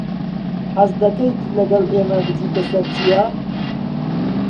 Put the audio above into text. حەز دەکەیت لەگەڵ ئێمە بچیتە سەر چیا؟